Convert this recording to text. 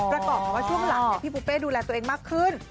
ประกอบกับว่าช่วงหลังพี่บุเป้ดูแลตัวเองมากขึ้น